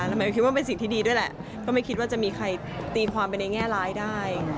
แล้วหมายคิดว่าเป็นสิ่งที่ดีด้วยแหละก็ไม่คิดว่าจะมีใครตีความไปในแง่ร้ายได้